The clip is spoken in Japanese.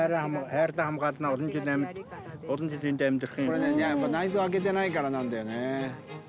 これねやっぱ内臓開けてないからなんだよね。